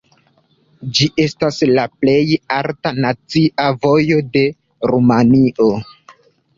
Ĝi estas la plej alta nacia vojo de Rumanio.